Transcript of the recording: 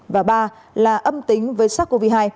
và ba là âm tính với sars cov hai